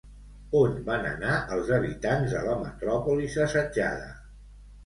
On van anar els habitants de la metròpolis assetjada?